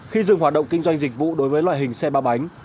khi dừng hoạt động kinh doanh dịch vụ đối với loại hình xe ba bánh